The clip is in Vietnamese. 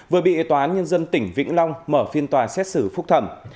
vừa bị ế toán nhân dân tỉnh vĩnh long mở phiên tòa xét xử phúc thẩm